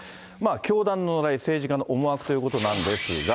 教団の話題、政治家の思惑ということなんですが。